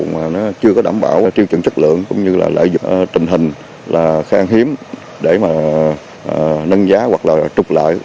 mà chưa đảm bảo tiêu chuẩn chất lượng cũng như lợi dụng trình hình khá hiếm để nâng giá hoặc trục lợi